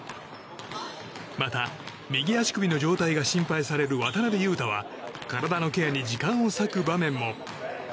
また、右足首の状態が心配される渡邊雄太は体のケアに時間を割く場面も。